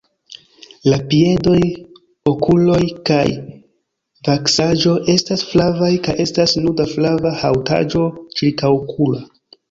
La piedoj, okuloj kaj vaksaĵo estas flavaj kaj estas nuda flava haŭtaĵo ĉirkaŭokula.